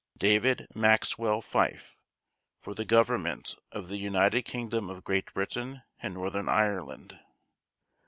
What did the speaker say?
/s/ DAVID MAXWELL FYFE For the Government of the United Kingdom of Great Britain and Northern Ireland.